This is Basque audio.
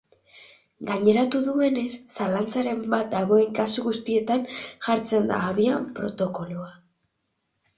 Gaineratu duenez, zalantzaren bat dagoen kasu guztietan jartzen da abian protokoloa.